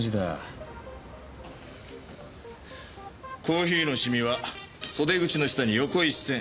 コーヒーのシミは袖口の下に横一線